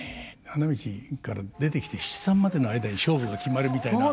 花道から出てきて七三までの間に勝負が決まるみたいな。